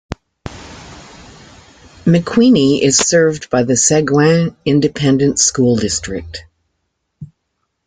McQueeney is served by the Seguin Independent School District.